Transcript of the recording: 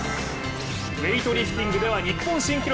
ウエイトリフティングでは日本新記録。